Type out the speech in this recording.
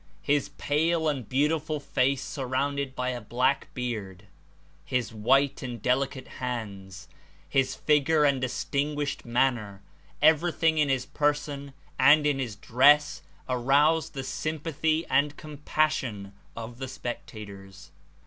His pale and beautiful face surrounded by a black beard, his white and delicate hands, his figure and distinguished manner, everything In his person and In his dress aroused the sympathy and compassion of the specta tors."